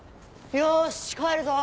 よし帰るぞ。